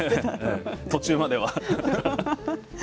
途中までは。